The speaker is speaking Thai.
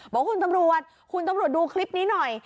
บอกคุณตำรวจคุณตำรวจดูคลิปนี้หน่อย